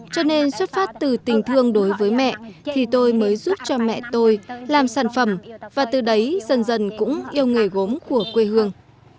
cho nên xuất phát từ tình thương đối với mẹ thì tôi mới giúp cho mẹ tôi làm sản phẩm và từ đấy dần dần cũng yêu nghề gốm của quê hương